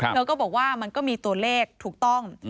เธอก็บอกว่ามันก็มีตัวเลขถูกต้อง